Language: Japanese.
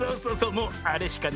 もうあれしかないよね。